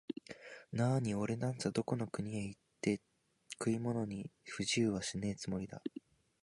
なあにおれなんざ、どこの国へ行ったって食い物に不自由はしねえつもりだ